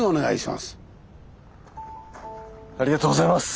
ありがとうございます！